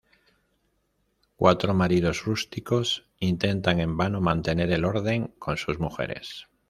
Cuatro maridos rústicos intentan en vano mantener el orden con sus mujeres.